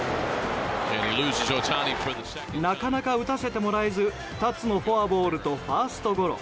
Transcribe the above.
なかなか打たせてもらえず２つのフォアボールとファーストゴロ。